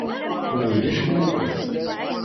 Kenwi d icinwaten?